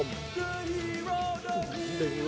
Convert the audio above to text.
โอ้โห